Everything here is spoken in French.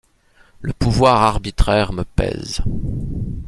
Le pouvoir arbitraire me pèse.